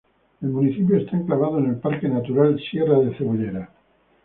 El municipio está enclavado en el Parque Natural Sierra de Cebollera.